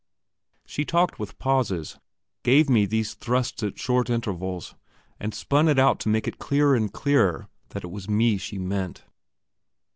She talked with pauses, gave me these thrusts at short intervals, and spun it out to make it clearer and clearer that it was me she meant.